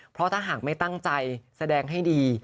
เพราะถ้าหากไม่ตั้งใจแสดงให้ดี